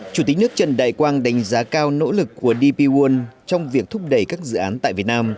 chủ tịch nước trần đại quang đánh giá cao nỗ lực của dpon trong việc thúc đẩy các dự án tại việt nam